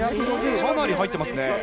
かなり入ってますね。